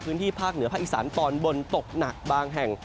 พื้นที่ภาคเหนือภาคอีสานตอนบนตกหนักบางแห่ง